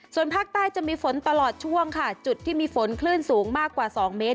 ส่วนภาคใต้จะมีฝนตลอดช่วงค่ะจุดที่มีฝนคลื่นสูงมากกว่า๒เมตร